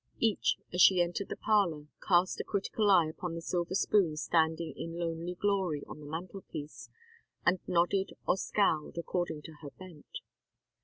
Each, as she entered the parlor, cast a critical eye upon the silver spoon standing in lonely glory on the mantel piece, and nodded or scowled, according to her bent.